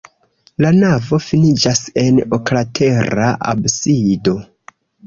La navo finiĝas en oklatera absido.